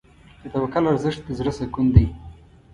د توکل ارزښت د زړه سکون دی.